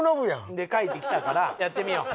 で書いてきたからやってみよう。